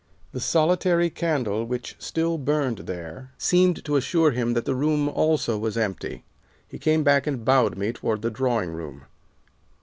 The solitary candle which still burned there seemed to assure him that the room also was empty. He came back and bowed me toward the drawing room.